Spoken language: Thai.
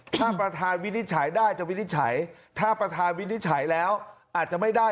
ถ้าประธานวินิจฉัยได้จะวินิจฉัยถ้าประธานวินิจฉัยแล้วอาจจะไม่ได้